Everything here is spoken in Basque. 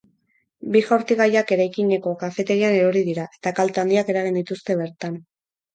Bi jaurtigaiak eraikineko kafetegian erori dira, eta kalte handiak eragin dituzte bertan.